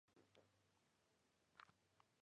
El documental "Who Do You Think You Are?